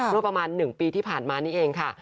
เมื่อประมาณ๑ปีที่ผ่านมานี่เองค่ะ